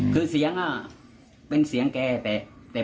คือเสียงเป็นเสียงแกแต่